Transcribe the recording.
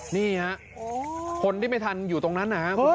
นี่ฮะคนที่ไม่ทันอยู่ตรงนั้นนะครับ